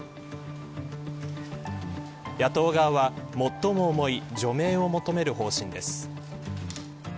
野党側は最も重い除名を求める方針です。